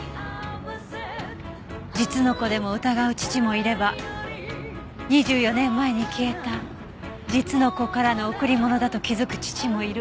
実の子でも疑う父もいれば２４年前に消えた実の子からの贈り物だと気づく父もいる。